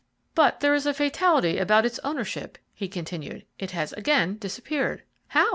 "But there is a fatality about its ownership," he continued; "it has again disappeared." "How?"